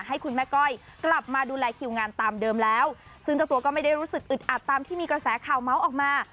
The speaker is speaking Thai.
ให้คุณแม่ก้อยกลับมาดูแลคิวงานตามเดิมแล้วซึ่งเจ้าตัวก็ไม่ได้รู้สึกอึดอัดตามที่มีกระแสข่าวเมาส์ออกมา